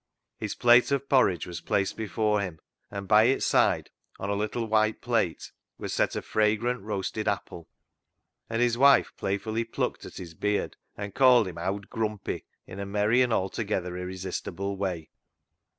His plate of porridge was placed before him, and by its side, on a little white plate, was set a fragrant roasted apple, and his wife playfully plucked at his beard and called him " owd Grumpy " in a merry and altogether irresistible way.